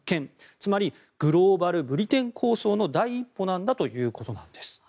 つまりグローバル・ブリテン構想の第一歩だということです。